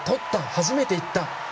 初めていった。